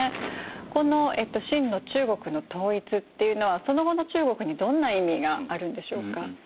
この秦の中国の統一っていうのはその後の中国にどんな意味があるんでしょうか？